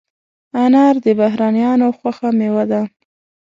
انار د بهرنیانو خوښه مېوه ده.